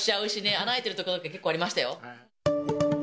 穴開いてるところ、結構ありましたよ。